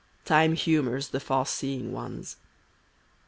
Time humors the far seeing ones.